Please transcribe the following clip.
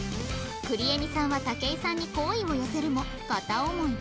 くりえみさんは武井さんに好意を寄せるも片思い